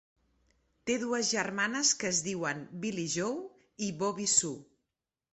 Té dues germanes que es diuen Billie Joe i Bobby Sue.